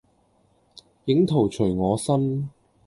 影徒隨我身。